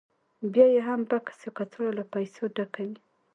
بیا یې هم بکس یا کڅوړه له پیسو ډکه وي